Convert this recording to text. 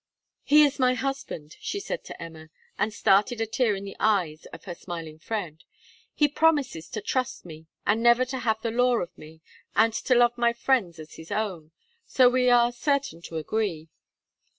'He is my husband,' she said to Emma, and started a tear in the eyes of her smiling friend; 'he promises to trust me, and never to have the law of me, and to love my friends as his own; so we are certain to agree.'